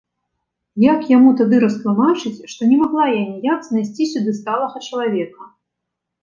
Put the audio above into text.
Як яму тады растлумачыць, што не магла я ніяк знайсці сюды сталага чалавека!